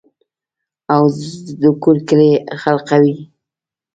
او دَکور کلي خلقو ئې